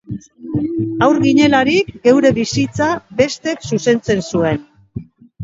Haur ginelarik, geure bizitza bestek zuzentzen zuen